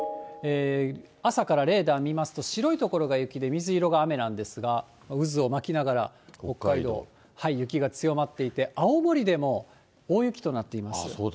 朝からレーダー見ますと、白い所が雪で、水色が雨なんですが、渦を巻きながら、北海道、雪が強まっていて、青森でも大雪となっています。